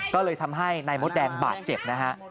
ก็เลยทำให้นายมดแดงบาดเจ็บนะฮะ